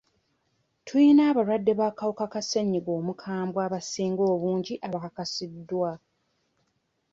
Tuyina abalwadde b'akawuka ka ssenyiga omukambwe abasinga obungi abakakasiddwa.